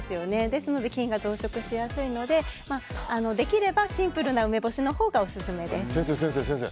ですので、菌が増殖しやすいのでできればシンプルな梅干しが先生、先生。